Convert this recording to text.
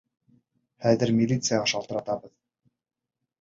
Хәҙер милицияға шылтыратабыҙ!